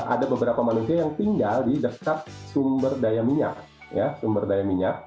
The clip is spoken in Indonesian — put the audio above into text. ada beberapa manusia yang tinggal di dekat sumber daya minyak